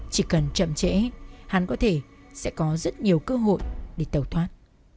chỉ cần chậm trễ hắn có thể sẽ có rất nhiều cơ hội để tàu thoát